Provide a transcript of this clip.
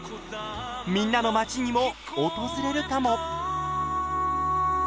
みんなの町にも訪れるかも。